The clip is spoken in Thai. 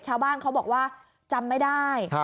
ชาวบ้านเขาบอกว่าจำไม่ได้